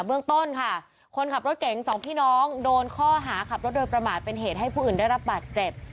เบื้องต้นค่ะคนขับรถเก๋งสองพี่น้องโดนข้อหาขับรถโดยประมาทเป็นเหตุให้ผู้อื่นได้รับบาดเจ็บ